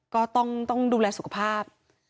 ก็ต้องดูแลสุขภาพ